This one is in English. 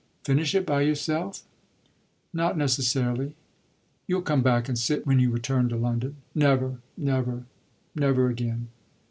"Finish it by yourself?" "Not necessarily. You'll come back and sit when you return to London." "Never, never, never again."